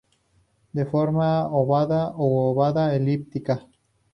De forma ovada u ovada elíptica.